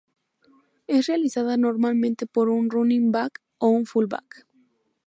Es realizada normalmente por un running back o un fullback.